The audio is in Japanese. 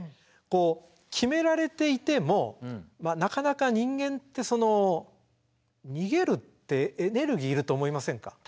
こう決められていてもなかなか人間って逃げるってエネルギーいると思いませんか？